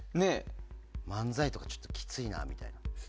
漫才とかちょっときついなって。